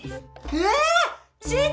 えっ？